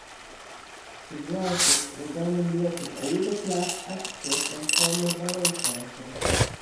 His wife was Gordana Miletic, a Yugoslav actress and former ballet dancer.